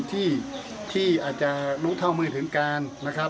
ที่อาจจะลุกเท่ามือถึงการ